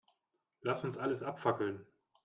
Lass uns alles abfackeln.